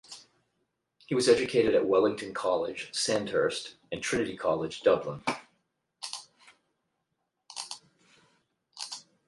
He was educated at Wellington College, Sandhurst and Trinity College, Dublin.